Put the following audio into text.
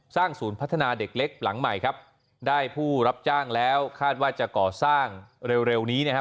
ศูนย์พัฒนาเด็กเล็กหลังใหม่ครับได้ผู้รับจ้างแล้วคาดว่าจะก่อสร้างเร็วนี้นะครับ